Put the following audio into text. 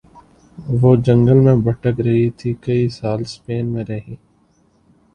وہ جنگل میں بھٹک رہی تھی کئی سال سپین میں رہیں